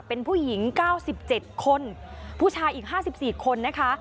เป็นผู้หญิง๙๗คนผู้ชายอีก๕๔คนนะคะ